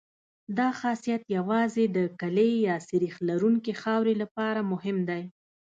دا خاصیت یوازې د کلې یا سریښ لرونکې خاورې لپاره مهم دی